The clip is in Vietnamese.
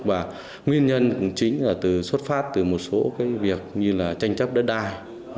và nguyên nhân chính là xuất phát từ một số việc như tranh chấp đất đai